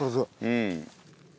うん。